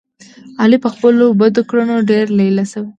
علي په خپلو بدو کړنو ډېر لیله شو دی.